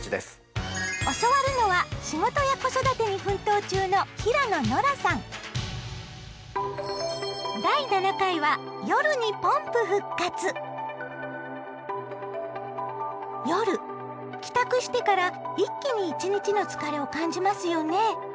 教わるのは仕事や子育てに奮闘中の夜帰宅してから一気に一日の疲れを感じますよね。